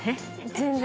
全然。